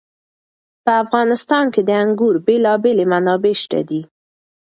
په افغانستان کې د انګورو بېلابېلې منابع شته دي.